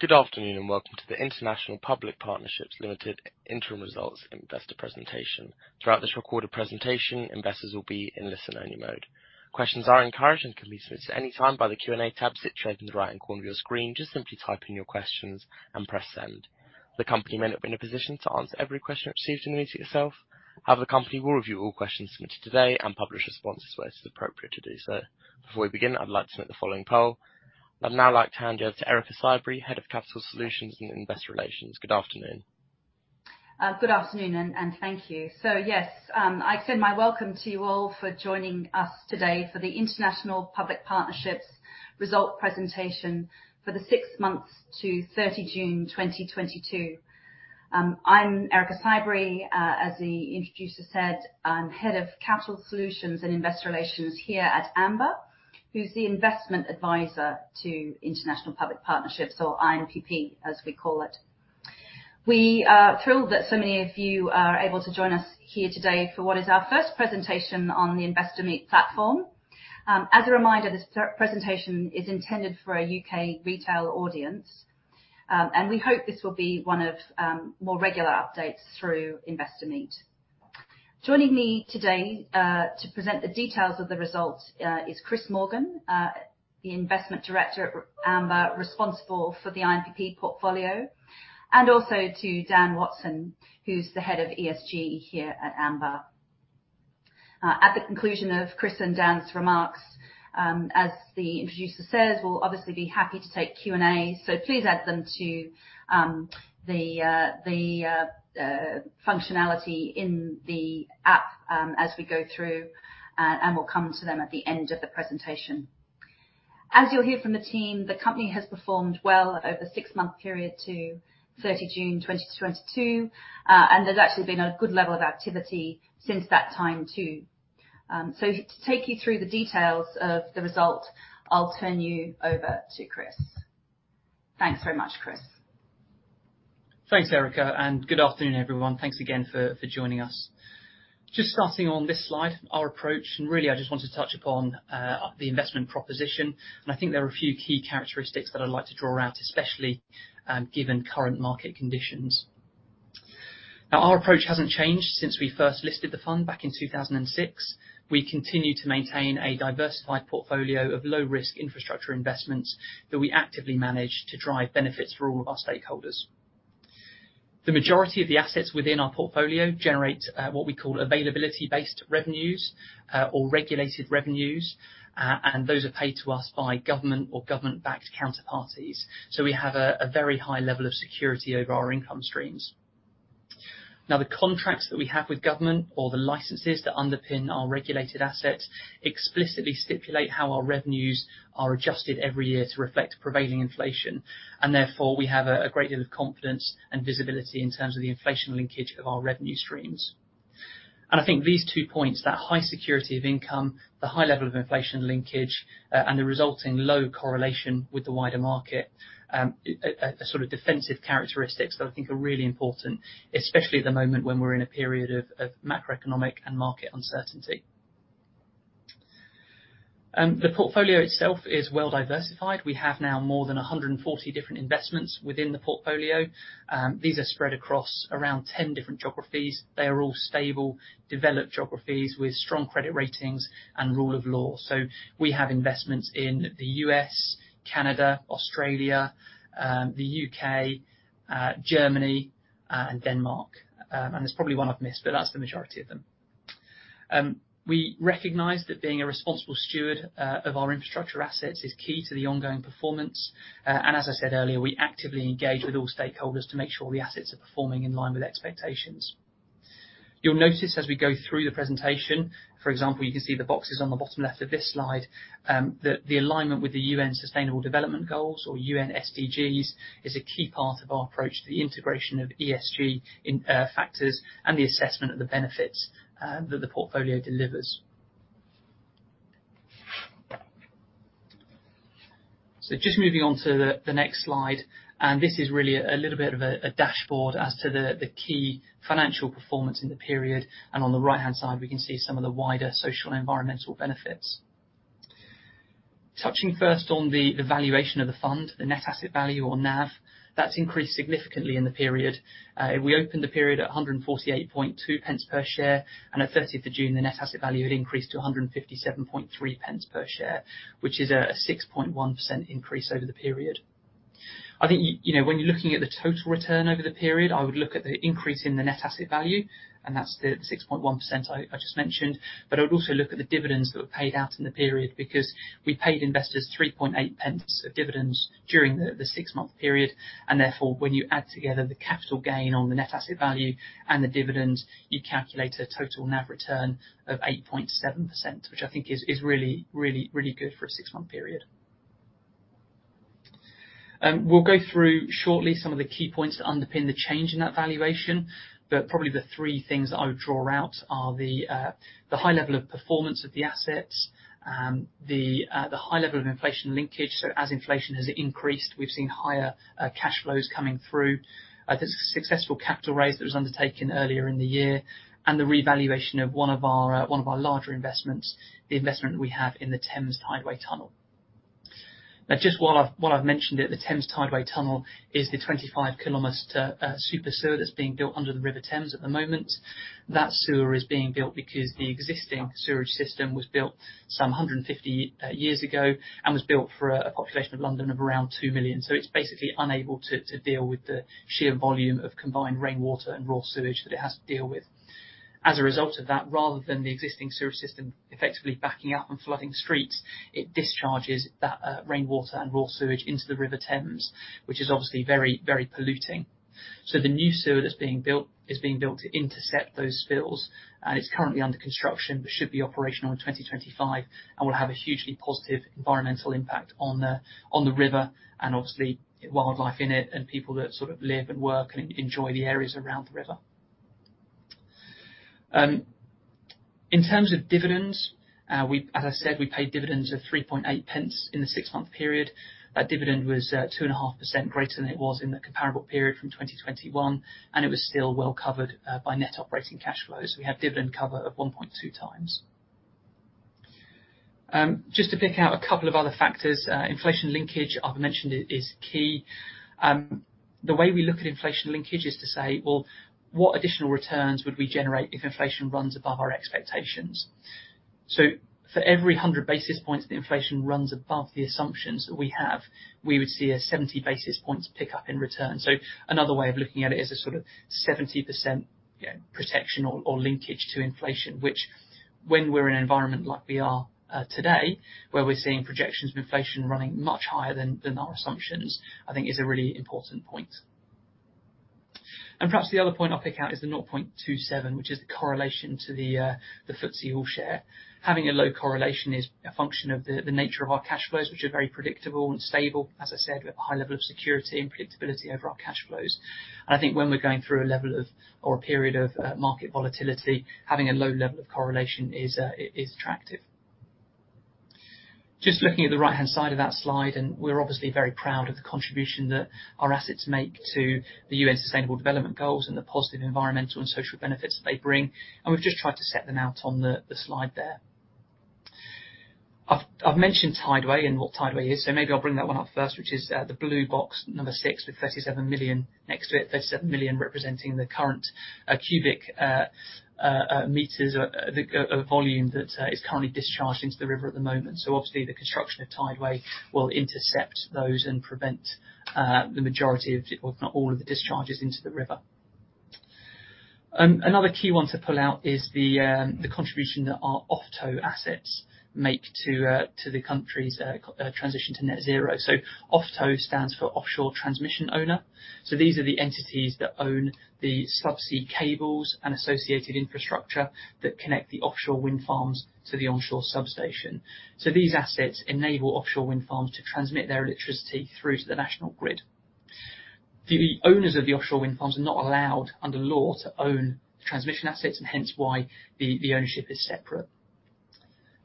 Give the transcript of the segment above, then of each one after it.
Good afternoon and welcome to the International Public Partnerships Limited Interim Results Investor Presentation. Throughout this recorded presentation, investors will be in listen-only mode. Questions are encouraged and can be submitted at any time by the Q&A tab situated in the right-hand corner of your screen. Just simply type in your questions and press send. The company may not be in a position to answer every question received in the meeting itself. However, the company will review all questions submitted today and publish responses where it is appropriate to do so. Before we begin, I'd like to note the following poll. I'd now like to hand you over to Erica Sibree, Head of Capital Solutions and Investor Relations. Good afternoon. Good afternoon and thank you. I extend my welcome to you all for joining us today for the International Public Partnerships Results Presentation for the six months to 30th June 2022. I'm Erica Sibree. As the introducer said, I'm Head of Capital Solutions and Investor Relations here at Amber, who's the investment advisor to International Public Partnerships or INPP as we call it. We are thrilled that so many of you are able to join us here today for what is our first presentation on the Investor Meet platform. As a reminder, this presentation is intended for a UK retail audience. We hope this will be one of more regular updates through Investor Meet. Joining me today, to present the details of the results, is Chris Morgan, the Investment Director at Amber, responsible for the INPP portfolio, and also Dan Watson, who's the Head of ESG here at Amber. At the conclusion of Chris and Dan's remarks, as the introducer says, we'll obviously be happy to take Q&A. Please add them to the functionality in the app, as we go through, and we'll come to them at the end of the presentation. As you'll hear from the team, the company has performed well over the six-month period to 30th June 2022. There's actually been a good level of activity since that time, too. To take you through the details of the result, I'll turn you over to Chris. Thanks very much, Chris. Thanks, Erica, and good afternoon, everyone. Thanks again for joining us. Just starting on this slide, our approach, and really I just want to touch upon the investment proposition, and I think there are a few key characteristics that I'd like to draw out, especially given current market conditions. Now, our approach hasn't changed since we first listed the fund back in 2006. We continue to maintain a diversified portfolio of low risk infrastructure investments that we actively manage to drive benefits for all of our stakeholders. The majority of the assets within our portfolio generate what we call availability-based revenues or regulated revenues. And those are paid to us by government or government-backed counterparties. So we have a very high level of security over our income streams. Now, the contracts that we have with government or the licenses that underpin our regulated assets explicitly stipulate how our revenues are adjusted every year to reflect prevailing inflation, and therefore, we have a great deal of confidence and visibility in terms of the inflation linkage of our revenue streams. I think these two points, that high security of income, the high level of inflation linkage, and the resulting low correlation with the wider market, a sort of defensive characteristics that I think are really important, especially at the moment when we're in a period of macroeconomic and market uncertainty. The portfolio itself is well diversified. We have now more than 140 different investments within the portfolio. These are spread across around 10 different geographies. They are all stable, developed geographies with strong credit ratings and rule of law. We have investments in the US, Canada, Australia, the UK, Germany, and Denmark. There's probably one I've missed, but that's the majority of them. We recognize that being a responsible steward of our infrastructure assets is key to the ongoing performance. As I said earlier, we actively engage with all stakeholders to make sure the assets are performing in line with expectations. You'll notice as we go through the presentation, for example, you can see the boxes on the bottom left of this slide. The alignment with the UN Sustainable Development Goals or UN SDGs is a key part of our approach to the integration of ESG factors and the assessment of the benefits that the portfolio delivers. Just moving on to the next slide, and this is really a little bit of a dashboard as to the key financial performance in the period. On the right-hand side, we can see some of the wider social and environmental benefits. Touching first on the valuation of the fund, the net asset value or NAV, that's increased significantly in the period. We opened the period at 148.2 per share, and at 30th of June, the net asset value had increased to 157.3 per share, which is a 6.1% increase over the period. I think, you know, when you're looking at the total return over the period, I would look at the increase in the net asset value, and that's the 6.1% I just mentioned. I would also look at the dividends that were paid out in the period because we paid investors 0.038 of dividends during the six-month period. Therefore, when you add together the capital gain on the net asset value and the dividends, you calculate a total NAV return of 8.7%, which I think is really good for a six-month period. We'll go through shortly some of the key points that underpin the change in that valuation, but probably the three things that I would draw out are the high level of performance of the assets, the high level of inflation linkage. As inflation has increased, we've seen higher cash flows coming through. The successful capital raise that was undertaken earlier in the year and the revaluation of one of our larger investments, the investment that we have in the Thames Tideway Tunnel. Now, just while I've mentioned it, the Thames Tideway Tunnel is the 25-kilometer super sewer that's being built under the River Thames at the moment. That sewer is being built because the existing sewerage system was built some 150 years ago, and was built for a population of London of around 2 million. It's basically unable to deal with the sheer volume of combined rainwater and raw sewage that it has to deal with. As a result of that, rather than the existing sewerage system effectively backing up and flooding streets, it discharges that rainwater and raw sewage into the River Thames, which is obviously very, very polluting. The new sewer that's being built is being built to intercept those spills, and it's currently under construction, but should be operational in 2025 and will have a hugely positive environmental impact on the river and obviously wildlife in it and people that sort of live and work and enjoy the areas around the river. In terms of dividends, as I said, we paid dividends of 0.038 in the six-month period. That dividend was 2.5% greater than it was in the comparable period from 2021, and it was still well covered by net operating cash flows. We have dividend cover of 1.2x. Just to pick out a couple of other factors, inflation linkage, I've mentioned, it is key. The way we look at inflation linkage is to say, well, what additional returns would we generate if inflation runs above our expectations? For every 100 basis points that inflation runs above the assumptions that we have, we would see a 70 basis points pick up in return. Another way of looking at it is a sort of 70%, you know, protection or linkage to inflation, which when we're in an environment like we are today, where we're seeing projections of inflation running much higher than our assumptions, I think is a really important point. Perhaps the other point I'll pick out is the 0.27, which is the correlation to the FTSE All-Share. Having a low correlation is a function of the nature of our cash flows, which are very predictable and stable. As I said, we have a high level of security and predictability over our cash flows. I think when we're going through a level of, or a period of, market volatility, having a low level of correlation is attractive. Just looking at the right-hand side of that slide, and we're obviously very proud of the contribution that our assets make to the UN Sustainable Development Goals and the positive environmental and social benefits that they bring, and we've just tried to set them out on the slide there. I've mentioned Tideway and what Tideway is, so maybe I'll bring that one up first, which is the blue box number six with 37 million next to it. 37 million representing the current cubic meters of volume that is currently discharged into the river at the moment. Obviously the construction of Tideway will intercept those and prevent the majority of, if not all of, the discharges into the river. Another key one to pull out is the contribution that our OFTO assets make to the country's transition to net zero. OFTO stands for Offshore Transmission Owner. These are the entities that own the subsea cables and associated infrastructure that connect the offshore wind farms to the onshore substation. These assets enable offshore wind farms to transmit their electricity through to the national grid. The owners of the offshore wind farms are not allowed under law to own transmission assets and hence why the ownership is separate.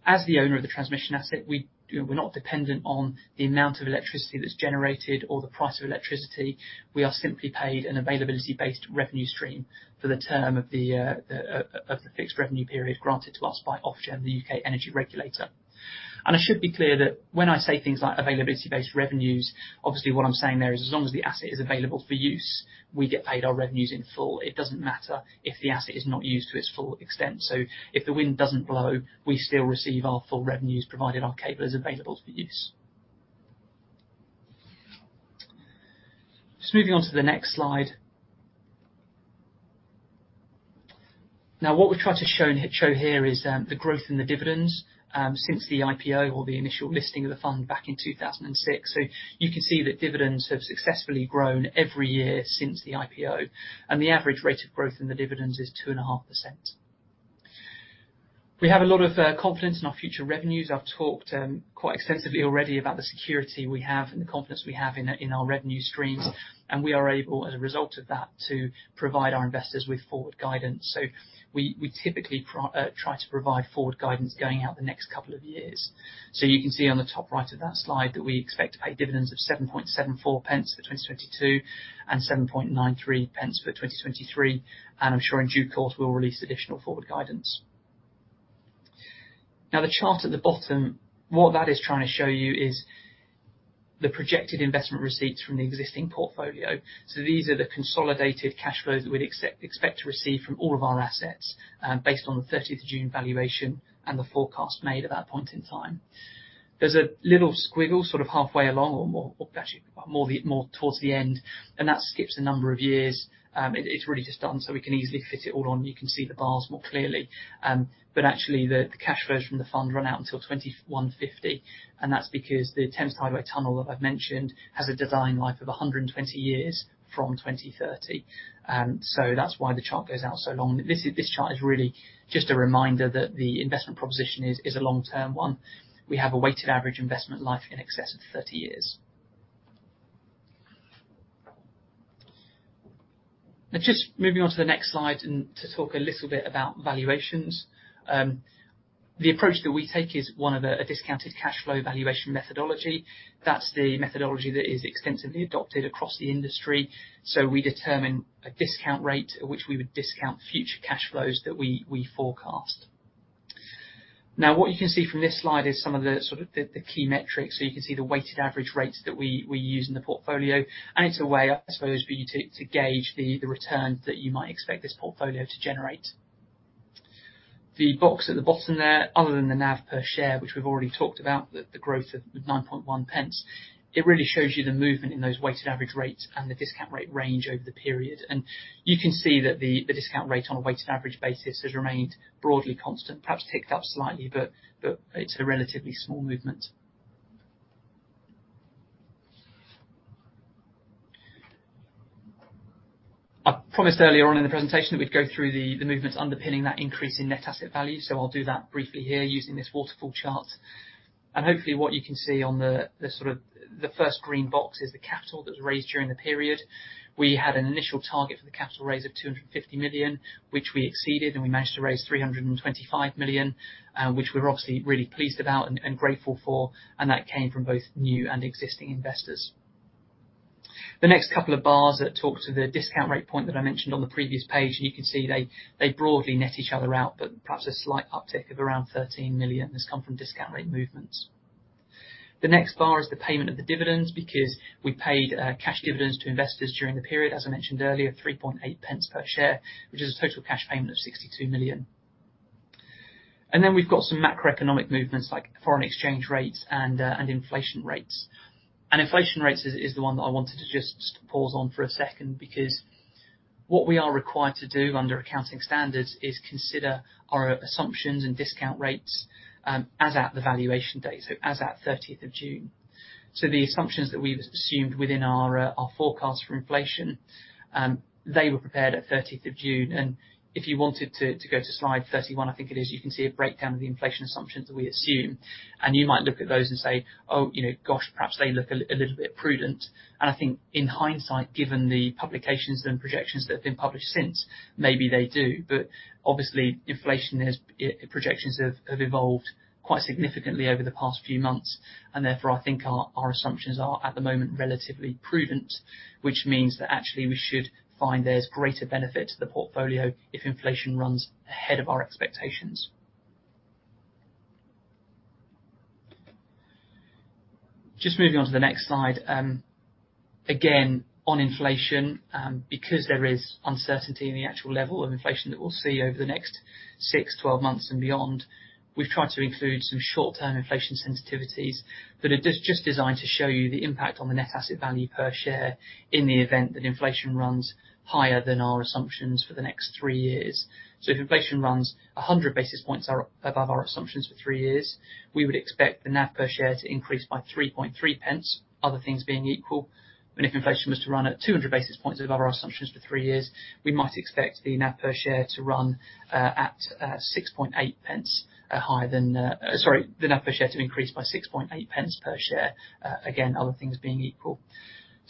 As the owner of the transmission asset, we, you know, we're not dependent on the amount of electricity that's generated or the price of electricity. We are simply paid an availability-based revenue stream for the term of the fixed revenue period granted to us by Ofgem, the UK energy regulator. I should be clear that when I say things like availability-based revenues, obviously what I'm saying there is as long as the asset is available for use, we get paid our revenues in full. It doesn't matter if the asset is not used to its full extent. If the wind doesn't blow, we still receive our full revenues, provided our cable is available for use. Just moving on to the next slide. Now, what we've tried to show here is the growth in the dividends since the IPO or the initial listing of the fund back in 2006. You can see that dividends have successfully grown every year since the IPO, and the average rate of growth in the dividends is 2.5%. We have a lot of confidence in our future revenues. I've talked quite extensively already about the security we have and the confidence we have in our revenue streams, and we are able, as a result of that, to provide our investors with forward guidance. We typically try to provide forward guidance going out the next couple of years. You can see on the top right of that slide that we expect to pay dividends of 7.74 for 2022 and 7.93 for 2023, and I'm sure in due course, we'll release additional forward guidance. Now, the chart at the bottom, what that is trying to show you is the projected investment receipts from the existing portfolio. These are the consolidated cash flows that we'd expect to receive from all of our assets, based on the 30th of June valuation and the forecast made at that point in time. There's a little squiggle sort of halfway along or more, actually, more towards the end, and that skips a number of years. It's really just done so we can easily fit it all on, you can see the bars more clearly. Actually, the cash flows from the fund run out until 2150, and that's because the Thames Tideway Tunnel that I've mentioned has a design life of 120 years from 2030. That's why the chart goes out so long. This chart is really just a reminder that the investment proposition is a long-term one. We have a weighted average investment life in excess of 30 years. Now, just moving on to the next slide and to talk a little bit about valuations. The approach that we take is one of a discounted cash flow valuation methodology. That's the methodology that is extensively adopted across the industry. We determine a discount rate at which we would discount future cash flows that we forecast. Now what you can see from this slide is some of the key metrics. You can see the weighted average rates that we use in the portfolio. It's a way, I suppose, for you to gauge the return that you might expect this portfolio to generate. The box at the bottom there, other than the NAV per share, which we've already talked about, the growth of 9.1, it really shows you the movement in those weighted average rates and the discount rate range over the period. You can see that the discount rate on a weighted average basis has remained broadly constant. Perhaps ticked up slightly, but it's a relatively small movement. I promised earlier on in the presentation that we'd go through the movements underpinning that increase in net asset value. I'll do that briefly here using this waterfall chart. Hopefully what you can see on the sort of the first green box is the capital that was raised during the period. We had an initial target for the capital raise of 250 million, which we exceeded, and we managed to raise 325 million, which we're obviously really pleased about and grateful for. That came from both new and existing investors. The next couple of bars that talk to the discount rate point that I mentioned on the previous page, and you can see they broadly net each other out, but perhaps a slight uptick of around 13 million has come from discount rate movements. The next bar is the payment of the dividends because we paid cash dividends to investors during the period, as I mentioned earlier, 3.8 per share, which is a total cash payment of 62 million. Then we've got some macroeconomic movements like foreign exchange rates and inflation rates. Inflation rates is the one that I wanted to just pause on for a second because what we are required to do under accounting standards is consider our assumptions and discount rates as at the valuation date. As at 30th of June. The assumptions that we've assumed within our forecast for inflation, they were prepared at 30th of June. If you wanted to go to slide 31, I think it is, you can see a breakdown of the inflation assumptions that we assume. You might look at those and say, "Oh, you know, gosh, perhaps they look a little bit prudent." I think in hindsight, given the publications and projections that have been published since, maybe they do. Obviously inflation projections have evolved quite significantly over the past few months, and therefore I think our assumptions are at the moment relatively prudent. Which means that actually we should find there's greater benefit to the portfolio if inflation runs ahead of our expectations. Just moving on to the next slide. Again on inflation, because there is uncertainty in the actual level of inflation that we'll see over the next six, 12 months and beyond, we've tried to include some short-term inflation sensitivities that are just designed to show you the impact on the net asset value per share in the event that inflation runs higher than our assumptions for the next three years. If inflation runs 100 basis points or above our assumptions for three years, we would expect the NAV per share to increase by 0.033, other things being equal. If inflation was to run at 200 basis points above our assumptions for three years, we might expect the NAV per share to increase by 0.068 per share. Again, other things being equal.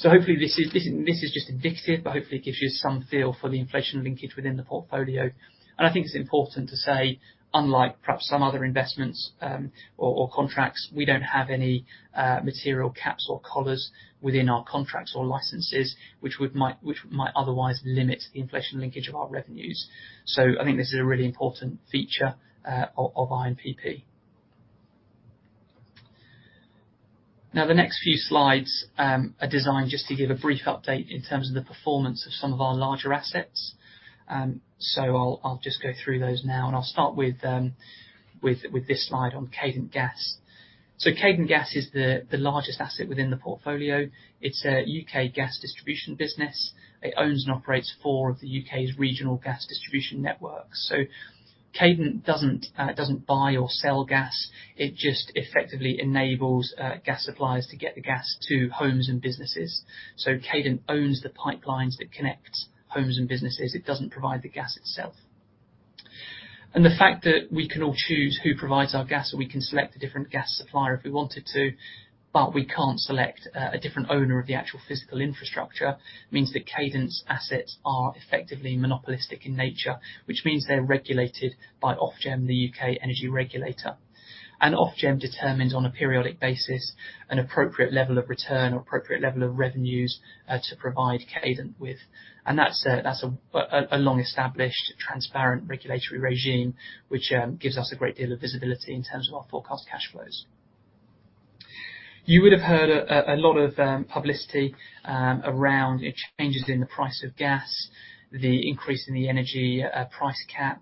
Hopefully this is just indicative, but hopefully it gives you some feel for the inflation linkage within the portfolio. I think it's important to say, unlike perhaps some other investments, or contracts, we don't have any material caps or collars within our contracts or licenses which would otherwise limit the inflation linkage of our revenues. I think this is a really important feature of INPP. Now the next few slides are designed just to give a brief update in terms of the performance of some of our larger assets. I'll just go through those now, and I'll start with this slide on Cadent Gas. Cadent Gas is the largest asset within the portfolio. It's a UK gas distribution business. It owns and operates four of the UK's regional gas distribution networks. Cadent doesn't buy or sell gas, it just effectively enables gas suppliers to get the gas to homes and businesses. Cadent owns the pipelines that connect homes and businesses. It doesn't provide the gas itself. The fact that we can all choose who provides our gas, and we can select a different gas supplier if we wanted to, but we can't select a different owner of the actual physical infrastructure, means that Cadent's assets are effectively monopolistic in nature. Which means they're regulated by Ofgem, the UK energy regulator. Ofgem determines on a periodic basis an appropriate level of return or appropriate level of revenues to provide Cadent with. That's a long-established transparent regulatory regime which gives us a great deal of visibility in terms of our forecast cash flows. You would have heard a lot of publicity around changes in the price of gas, the increase in the energy price cap.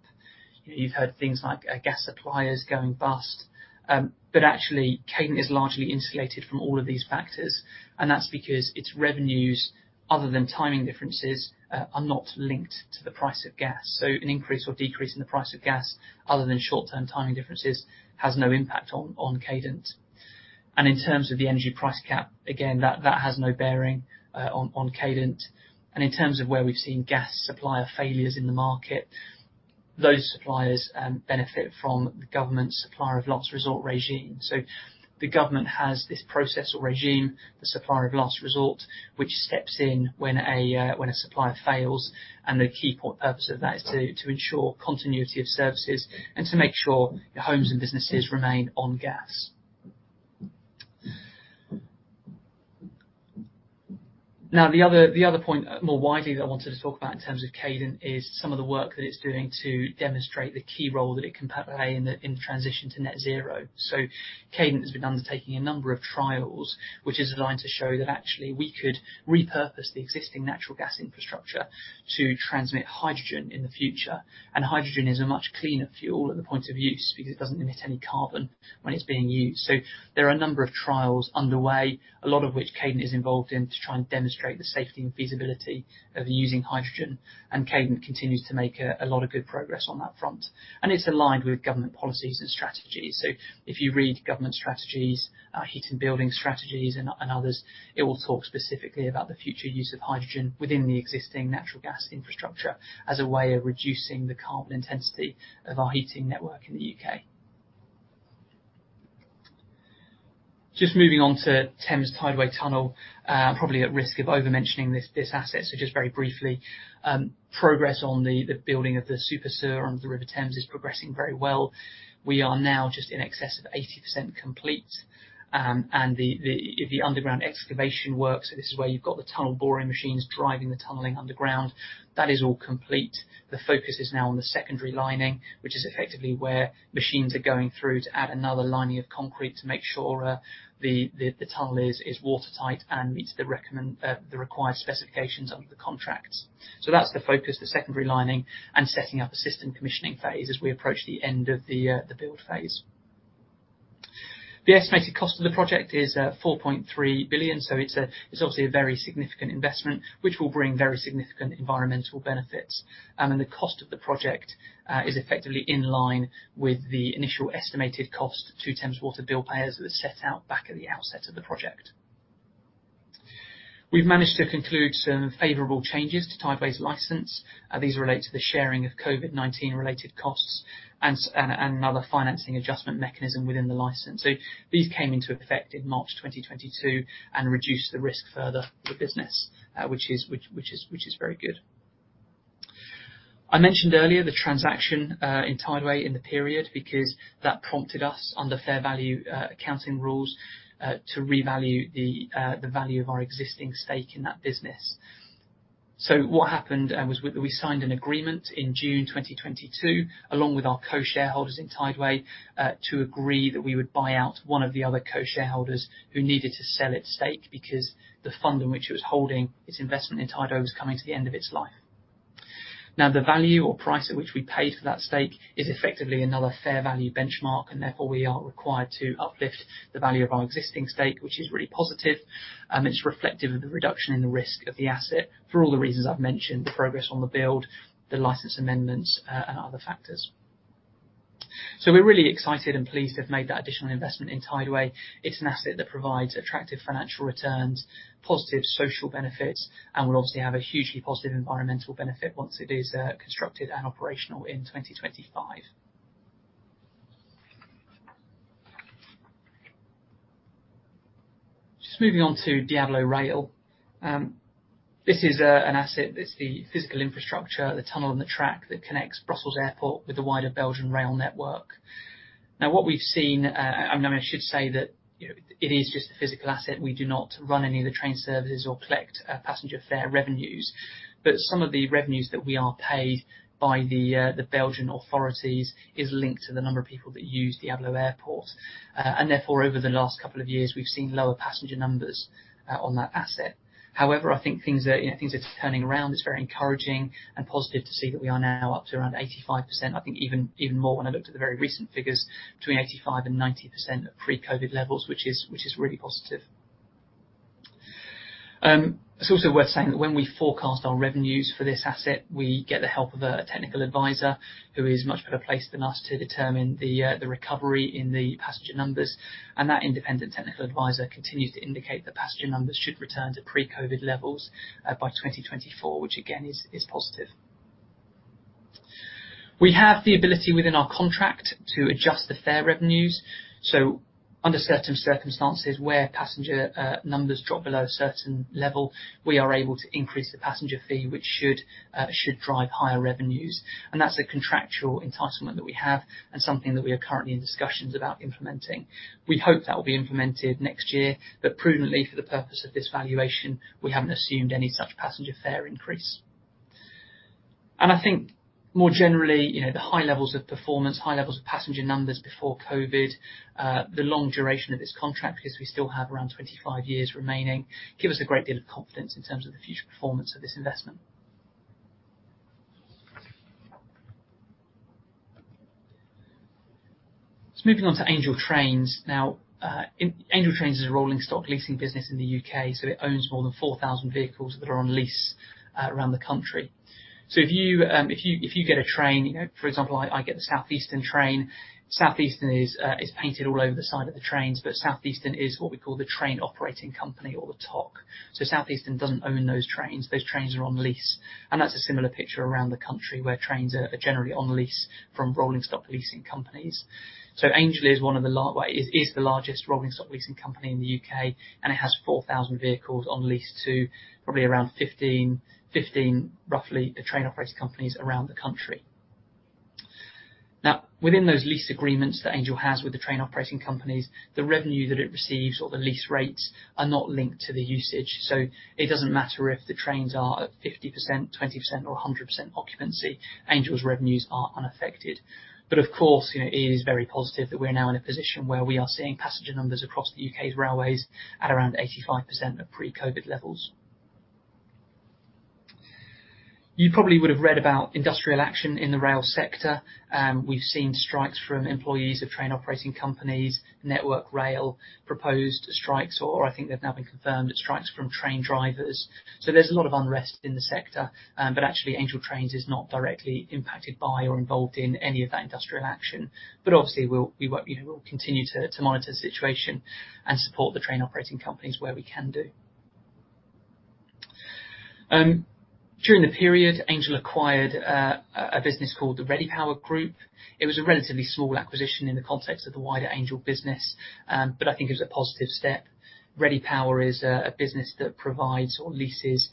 You've heard things like gas suppliers going bust. Actually Cadent is largely insulated from all of these factors, and that's because its revenues, other than timing differences, are not linked to the price of gas. An increase or decrease in the price of gas, other than short-term timing differences, has no impact on Cadent. In terms of the energy price cap, again that has no bearing on Cadent. In terms of where we've seen gas supplier failures in the market, those suppliers benefit from the government's supplier of last resort regime. The government has this process or regime, the supplier of last resort, which steps in when a supplier fails. The key purpose of that is to ensure continuity of services and to make sure homes and businesses remain on gas. Now, the other point more widely that I wanted to talk about in terms of Cadent is some of the work that it's doing to demonstrate the key role that it can play in the transition to net zero. Cadent has been undertaking a number of trials, which is aligned to show that actually we could repurpose the existing natural gas infrastructure to transmit hydrogen in the future. Hydrogen is a much cleaner fuel at the point of use because it doesn't emit any carbon when it's being used. There are a number of trials underway, a lot of which Cadent is involved in to try and demonstrate the safety and feasibility of using hydrogen. Cadent continues to make a lot of good progress on that front. It's aligned with government policies and strategies. If you read government strategies, heat and building strategies and others, it will talk specifically about the future use of hydrogen within the existing natural gas infrastructure as a way of reducing the carbon intensity of our heating network in the UK. Just moving on to Thames Tideway Tunnel, probably at risk of over-mentioning this asset. Just very briefly, progress on the building of the Super Sewer under the River Thames is progressing very well. We are now just in excess of 80% complete. The underground excavation works, this is where you've got the tunnel boring machines driving the tunneling underground. That is all complete. The focus is now on the secondary lining, which is effectively where machines are going through to add another lining of concrete to make sure the tunnel is watertight and meets the required specifications under the contracts. That's the focus, the secondary lining, and setting up a system commissioning phase as we approach the end of the build phase. The estimated cost of the project is 4.3 billion. It's obviously a very significant investment, which will bring very significant environmental benefits. The cost of the project is effectively in line with the initial estimated cost to Thames Water bill payers that set out back at the outset of the project. We've managed to conclude some favorable changes to Tideway's license. These relate to the sharing of COVID-19 related costs and another financing adjustment mechanism within the license. These came into effect in March 2022 and reduced the risk further for business, which is very good. I mentioned earlier the transaction in Tideway in the period because that prompted us, under fair value accounting rules, to revalue the value of our existing stake in that business. What happened was we signed an agreement in June 2022, along with our co-shareholders in Tideway, to agree that we would buy out one of the other co-shareholders who needed to sell its stake because the fund in which it was holding its investment in Tideway was coming to the end of its life. Now, the value or price at which we paid for that stake is effectively another fair value benchmark, and therefore we are required to uplift the value of our existing stake, which is really positive. It's reflective of the reduction in the risk of the asset for all the reasons I've mentioned, the progress on the build, the license amendments, and other factors. We're really excited and pleased to have made that additional investment in Tideway. It's an asset that provides attractive financial returns, positive social benefits, and will obviously have a hugely positive environmental benefit once it is constructed and operational in 2025. Just moving on to Diabolo Rail. This is an asset. It's the physical infrastructure, the tunnel and the track that connects Brussels Airport with the wider Belgian rail network. Now, what we've seen, and I should say that, you know, it is just a physical asset. We do not run any of the train services or collect passenger fare revenues. Some of the revenues that we are paid by the Belgian authorities is linked to the number of people that use Brussels Airport. Therefore, over the last couple of years, we've seen lower passenger numbers on that asset. However, I think things are, you know, things are turning around. It's very encouraging and positive to see that we are now up to around 85%. I think even more when I looked at the very recent figures, between 85%-90% at pre-COVID levels, which is really positive. It's also worth saying that when we forecast our revenues for this asset, we get the help of a technical advisor who is much better placed than us to determine the recovery in the passenger numbers. That independent technical advisor continues to indicate that passenger numbers should return to pre-COVID levels by 2024, which again is positive. We have the ability within our contract to adjust the fare revenues. Under certain circumstances, where passenger numbers drop below a certain level, we are able to increase the passenger fee, which should drive higher revenues. That's a contractual entitlement that we have and something that we are currently in discussions about implementing. We hope that will be implemented next year, but prudently, for the purpose of this valuation, we haven't assumed any such passenger fare increase. I think more generally, you know, the high levels of performance, high levels of passenger numbers before COVID, the long duration of this contract, because we still have around 25 years remaining, give us a great deal of confidence in terms of the future performance of this investment. Just moving on to Angel Trains. Angel Trains is a rolling stock leasing business in the UK, so it owns more than 4,000 vehicles that are on lease around the country. If you get a train, you know, for example, I get the Southeastern train. Southeastern is painted all over the side of the trains, but Southeastern is what we call the train operating company or the TOC. Southeastern doesn't own those trains. Those trains are on lease. That's a similar picture around the country where trains are generally on lease from rolling stock leasing companies. Angel Trains is the largest rolling stock leasing company in the UK, and it has 4,000 vehicles on lease to probably around 15, roughly the train operating companies around the country. Now, within those lease agreements that Angel Trains has with the train operating companies, the revenue that it receives or the lease rates are not linked to the usage. It doesn't matter if the trains are at 50%, 20%, or 100% occupancy, Angel Trains's revenues are unaffected. Of course, you know, it is very positive that we're now in a position where we are seeing passenger numbers across the U.K.'s railways at around 85% of pre-COVID levels. You probably would have read about industrial action in the rail sector. We've seen strikes from employees of train operating companies. Network Rail proposed strikes, or I think they've now been confirmed, strikes from train drivers. There's a lot of unrest in the sector. Actually, Angel Trains is not directly impacted by or involved in any of that industrial action. Obviously we'll continue to monitor the situation and support the train operating companies where we can do. During the period, Angel acquired a business called the Readypower Group. It was a relatively small acquisition in the context of the wider Angel business, but I think it was a positive step. Readypower is a business that provides or leases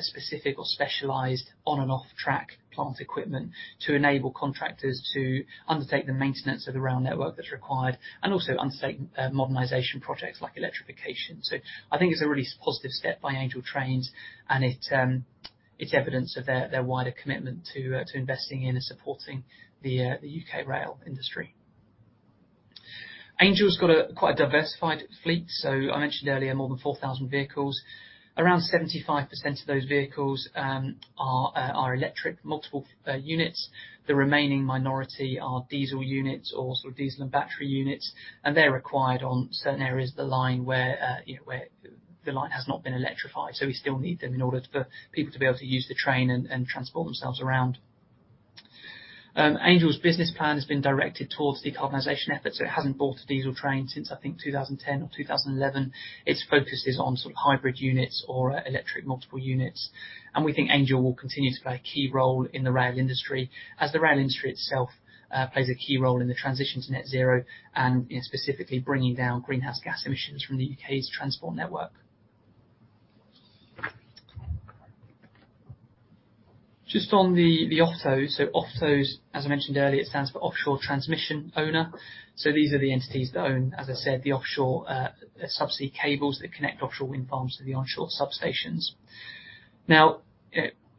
specific or specialized on and off-track plant equipment to enable contractors to undertake the maintenance of the rail network that's required, and also undertake modernization projects like electrification. I think it's a really positive step by Angel Trains, and it is evidence of their wider commitment to investing in and supporting the UK rail industry. Angel's got a quite diversified fleet, so I mentioned earlier more than 4,000 vehicles. Around 75% of those vehicles are electric multiple units. The remaining minority are diesel units or sort of diesel and battery units, and they're required on certain areas of the line where you know where the line has not been electrified. We still need them in order for people to be able to use the train and transport themselves around. Angel Trains's business plan has been directed towards decarbonization efforts. It hasn't bought a diesel train since, I think, 2010 or 2011. Its focus is on sort of hybrid units or electric multiple units. We think Angel Trains will continue to play a key role in the rail industry, as the rail industry itself plays a key role in the transition to net zero and you know specifically bringing down greenhouse gas emissions from the UK's transport network. Just on the OFTO. OFTOs, as I mentioned earlier, it stands for Offshore Transmission Owner. These are the entities that own, as I said, the offshore subsea cables that connect offshore wind farms to the onshore substations. Now,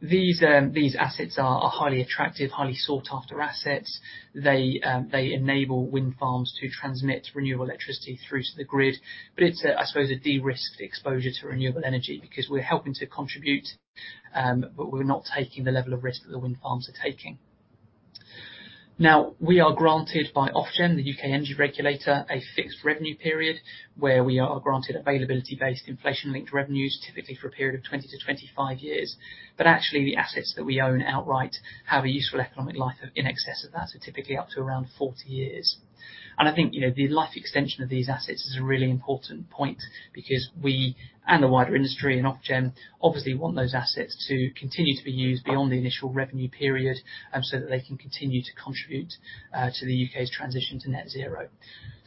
these assets are highly attractive, highly sought-after assets. They enable wind farms to transmit renewable electricity through to the grid. It's, I suppose, a de-risked exposure to renewable energy because we're helping to contribute, but we're not taking the level of risk that the wind farms are taking. We are granted by Ofgem, the UK energy regulator, a fixed revenue period where we are granted availability-based inflation-linked revenues, typically for a period of 20-25 years. Actually, the assets that we own outright have a useful economic life of in excess of that, so typically up to around 40 years. I think, you know, the life extension of these assets is a really important point because we, and the wider industry and Ofgem, obviously want those assets to continue to be used beyond the initial revenue period, so that they can continue to contribute, to the UK's transition to net zero.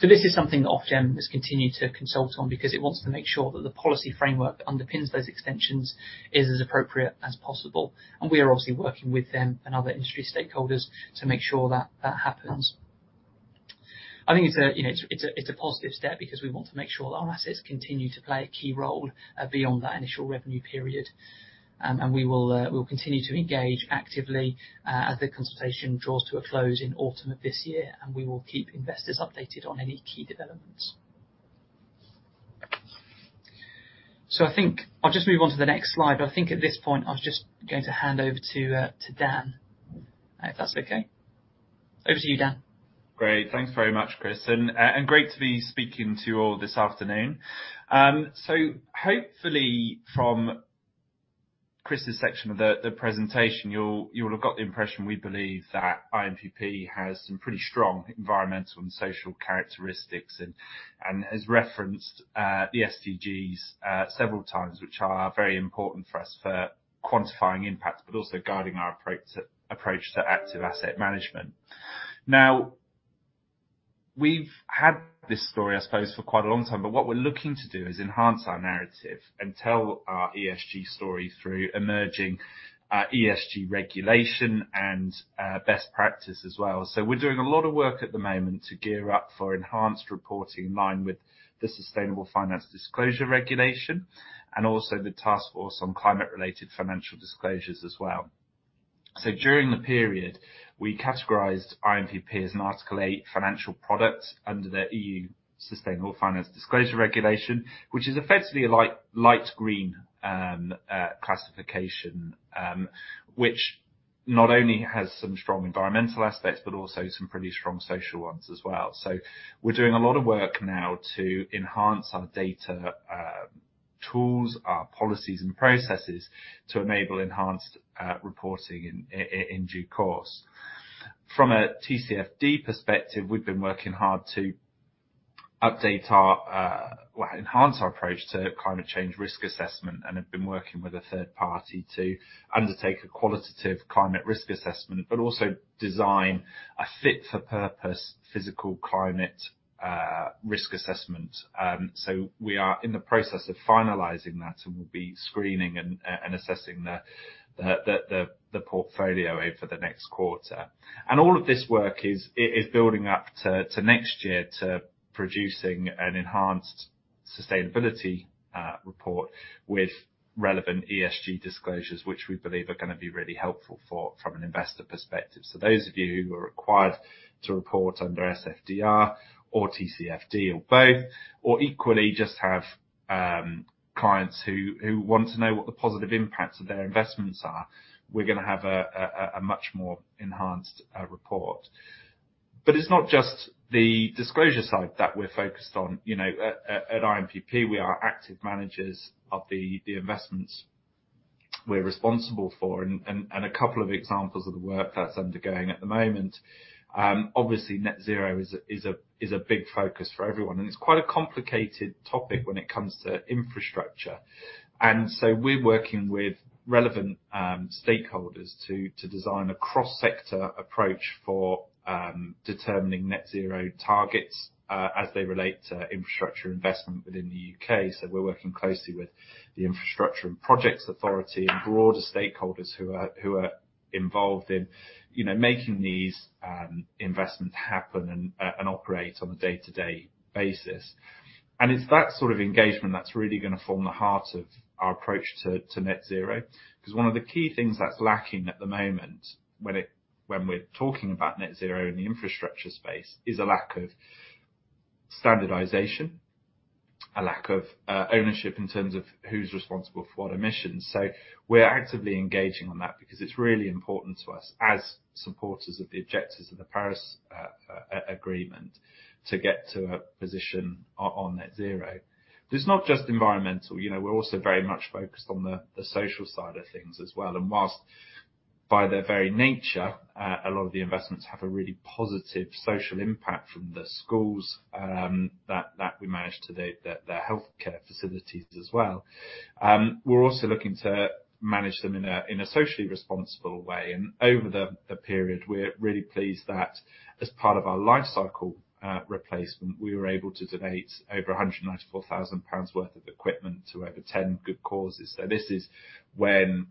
This is something that Ofgem has continued to consult on because it wants to make sure that the policy framework that underpins those extensions is as appropriate as possible. We are obviously working with them and other industry stakeholders to make sure that that happens. I think it's a, you know, positive step because we want to make sure that our assets continue to play a key role, beyond that initial revenue period. We will continue to engage actively, as the consultation draws to a close in autumn of this year, and we will keep investors updated on any key developments. I think I'll just move on to the next slide. I think at this point, I was just going to hand over to Dan, if that's okay. Over to you, Dan. Great. Thanks very much, Chris, and great to be speaking to you all this afternoon. Hopefully from Chris's section of the presentation, you'll have got the impression we believe that INPP has some pretty strong environmental and social characteristics and has referenced the SDGs several times, which are very important for us for quantifying impact, but also guiding our approach to active asset management. Now, we've had this story, I suppose, for quite a long time, but what we're looking to do is enhance our narrative and tell our ESG story through emerging ESG regulation and best practice as well. We're doing a lot of work at the moment to gear up for enhanced reporting in line with the Sustainable Finance Disclosure Regulation and also the Task Force on Climate-related Financial Disclosures as well. During the period, we categorized INPP as an Article 8 financial product under the EU Sustainable Finance Disclosures Regulation, which is effectively a light green classification, which not only has some strong environmental aspects, but also some pretty strong social ones as well. We're doing a lot of work now to enhance our data tools, our policies and processes to enable enhanced reporting in due course. From a TCFD perspective, we've been working hard to enhance our approach to climate change risk assessment, and have been working with a third party to undertake a qualitative climate risk assessment, but also design a fit for purpose physical climate risk assessment. We are in the process of finalizing that, and we'll be screening and assessing the portfolio over the next quarter. All of this work is building up to next year to producing an enhanced sustainability report with relevant ESG disclosures, which we believe are gonna be really helpful from an investor perspective. Those of you who are required to report under SFDR or TCFD, or both, or equally just have clients who want to know what the positive impacts of their investments are, we're gonna have a much more enhanced report. It's not just the disclosure side that we're focused on. You know, at INPP, we are active managers of the investments we're responsible for and a couple of examples of the work that's undergoing at the moment, obviously net zero is a big focus for everyone, and it's quite a complicated topic when it comes to infrastructure. We're working with relevant stakeholders to design a cross-sector approach for determining net zero targets as they relate to infrastructure investment within the UK. We're working closely with the Infrastructure and Projects Authority and broader stakeholders who are involved in, you know, making these investments happen and operate on a day-to-day basis. It's that sort of engagement that's really gonna form the heart of our approach to net zero. 'Cause one of the key things that's lacking at the moment when we're talking about net zero in the infrastructure space is a lack of standardization, a lack of ownership in terms of who's responsible for what emissions. We're actively engaging on that because it's really important to us as supporters of the objectives of the Paris Agreement to get to a position on net zero. It's not just environmental. You know, we're also very much focused on the social side of things as well. While by their very nature, a lot of the investments have a really positive social impact from the schools that we manage to the healthcare facilities as well. We're also looking to manage them in a socially responsible way. Over the period, we're really pleased that as part of our lifecycle replacement, we were able to donate over 194,000 pounds worth of equipment to over 10 good causes. This is when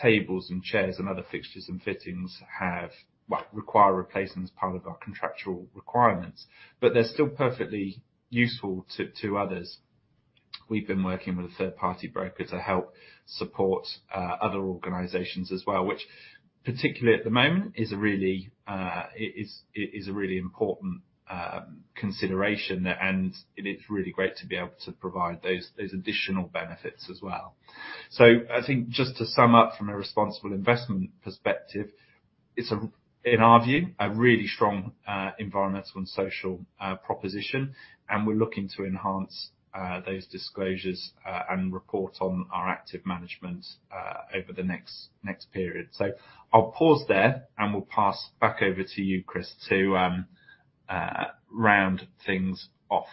tables and chairs and other fixtures and fittings require replacement as part of our contractual requirements, but they're still perfectly useful to others. We've been working with a third party broker to help support other organizations as well, which particularly at the moment is a really important consideration, and it's really great to be able to provide those additional benefits as well. I think just to sum up from a responsible investment perspective, it's, in our view, a really strong environmental and social proposition, and we're looking to enhance those disclosures and report on our active management over the next period. I'll pause there, and we'll pass back over to you, Chris, to round things off.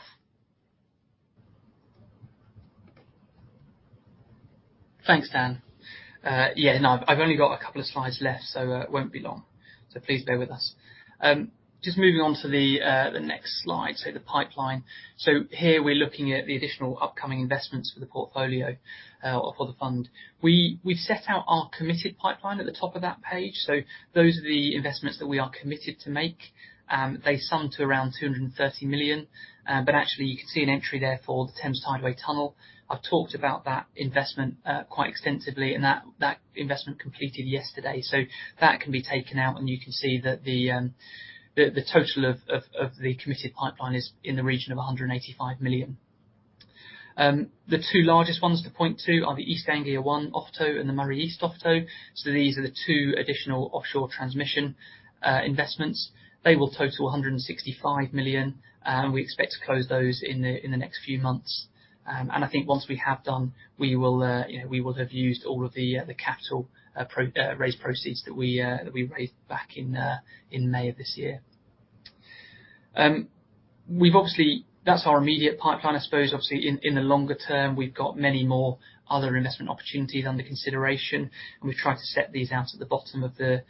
Thanks, Dan. Yeah, no, I've only got a couple of slides left, so it won't be long. Please bear with us. Just moving on to the next slide. The pipeline. Here we're looking at the additional upcoming investments for the portfolio or for the fund. We've set out our committed pipeline at the top of that page. Those are the investments that we are committed to make. They sum to around 230 million. Actually you can see an entry there for the Thames Tideway Tunnel. I've talked about that investment quite extensively, and that investment completed yesterday. That can be taken out and you can see that the total of the committed pipeline is in the region of 185 million. The two largest ones to point to are the East Anglia One OFTO and the Moray East OFTO. These are the two additional offshore transmission investments. They will total 165 million, and we expect to close those in the next few months. I think once we have done, we will, you know, we will have used all of the the capital raise proceeds that we raised back in May of this year. We've obviously. That's our immediate pipeline. I suppose obviously in the longer term, we've got many more other investment opportunities under consideration, and we've tried to set these out at the bottom of the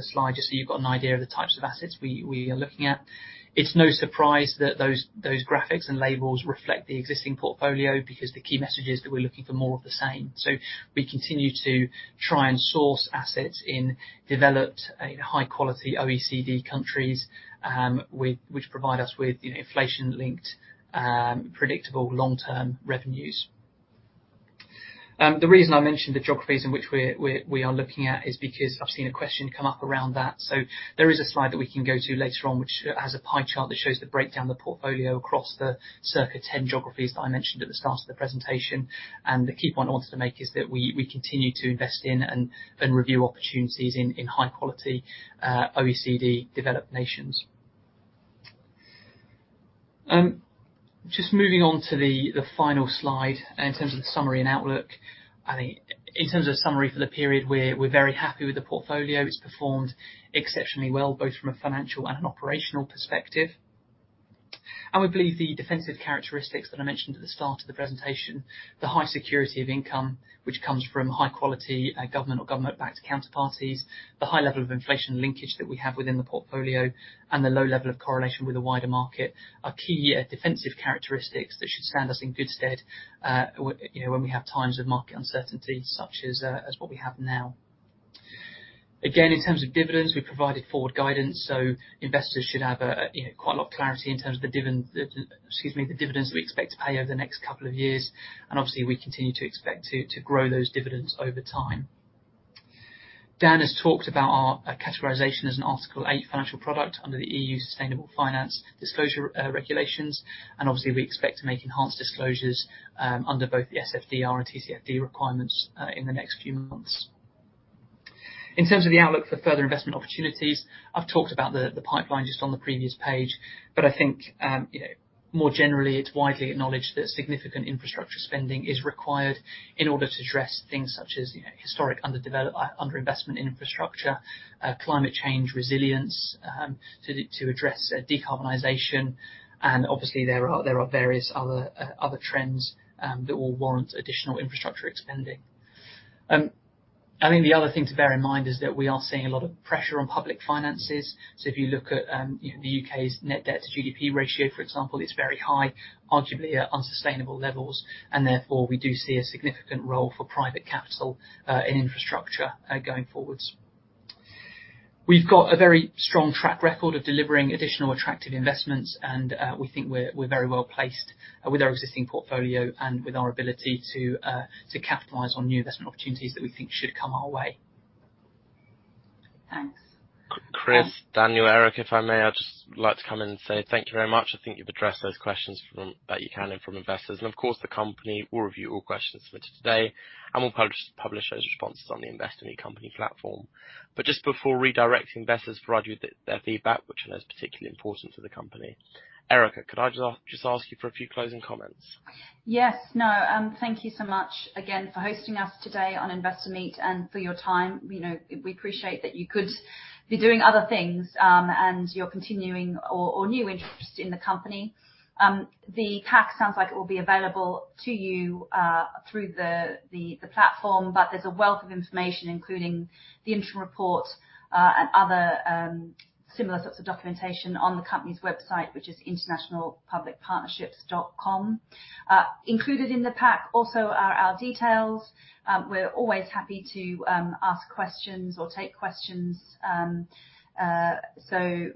slide just so you've got an idea of the types of assets we are looking at. It's no surprise that those graphics and labels reflect the existing portfolio because the key message is that we're looking for more of the same. We continue to try and source assets in developed, high quality OECD countries with which provide us with, you know, inflation-linked, predictable long-term revenues. The reason I mentioned the geographies in which we are looking at is because I've seen a question come up around that. There is a slide that we can go to later on, which has a pie chart that shows the breakdown of the portfolio across the circa ten geographies that I mentioned at the start of the presentation. The key point I wanted to make is that we continue to invest in and review opportunities in high quality OECD developed nations. Just moving on to the final slide in terms of the summary and outlook. I think in terms of summary for the period, we're very happy with the portfolio. It's performed exceptionally well, both from a financial and an operational perspective. We believe the defensive characteristics that I mentioned at the start of the presentation, the high security of income, which comes from high quality government or government-backed counterparties, the high level of inflation linkage that we have within the portfolio, and the low level of correlation with the wider market, are key defensive characteristics that should stand us in good stead, you know, when we have times of market uncertainty, such as what we have now. Again, in terms of dividends, we provided forward guidance, so investors should have, you know, quite a lot of clarity in terms of the dividends we expect to pay over the next couple of years. Obviously we continue to expect to grow those dividends over time. Dan has talked about our categorization as an Article 8 financial product under the EU Sustainable Finance Disclosures Regulation. Obviously we expect to make enhanced disclosures under both the SFDR and TCFD requirements in the next few months. In terms of the outlook for further investment opportunities, I've talked about the pipeline just on the previous page, but I think, you know, more generally, it's widely acknowledged that significant infrastructure spending is required in order to address things such as, you know, historic underinvestment in infrastructure, climate change resilience, to address decarbonization. Obviously there are various other trends that will warrant additional infrastructure expanding. I think the other thing to bear in mind is that we are seeing a lot of pressure on public finances. If you look at the U.K.'s net debt to GDP ratio, for example, it's very high, arguably at unsustainable levels. Therefore, we do see a significant role for private capital in infrastructure going forwards. We've got a very strong track record of delivering additional attractive investments and, we think we're very well-placed with our existing portfolio and with our ability to capitalize on new investment opportunities that we think should come our way. Thanks. Chris, Dan, Erica, if I may, I'd just like to come in and say thank you very much. I think you've addressed those questions from investors. Of course, the company will review all questions for today, and we'll publish those responses on the Investor Meet Company platform. Just before redirecting investors to provide you with their feedback, which is particularly important to the company, Erica, could I just ask you for a few closing comments? Yes. No, thank you so much again for hosting us today on Investor Meet and for your time. You know, we appreciate that you could be doing other things, and your continuing or new interest in the company. The pack sounds like it will be available to you through the platform, but there's a wealth of information, including the interim report, and other similar sorts of documentation on the company's website, which is internationalpublicpartnerships.com. Included in the pack also are our details. We're always happy to ask questions or take questions, so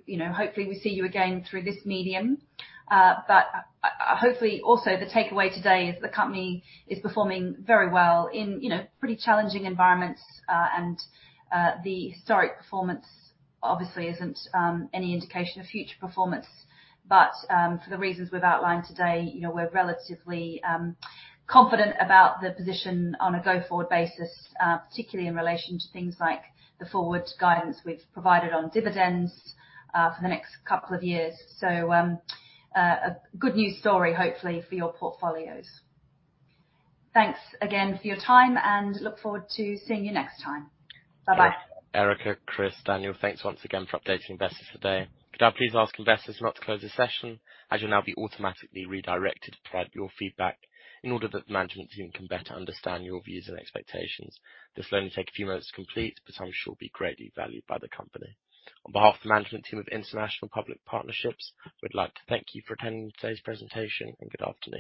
you know, hopefully we see you again through this medium. Hopefully also the takeaway today is the company is performing very well in you know, pretty challenging environments. The historic performance obviously isn't any indication of future performance. For the reasons we've outlined today, you know, we're relatively confident about the position on a go-forward basis, particularly in relation to things like the forward guidance we've provided on dividends, for the next couple of years. A good news story hopefully for your portfolios. Thanks again for your time and look forward to seeing you next time. Bye-bye. Erica, Chris, Dan, thanks once again for updating investors today. Could I please ask investors now to close the session as you'll now be automatically redirected to provide your feedback in order that the management team can better understand your views and expectations? This will only take a few minutes to complete, but I'm sure be greatly valued by the company. On behalf of the management team of International Public Partnerships, we'd like to thank you for attending today's presentation, and good afternoon.